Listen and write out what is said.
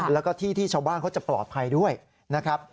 แล้วก็ที่ที่ชาวบ้านเขาจะปลอดภัยด้วยนะครับ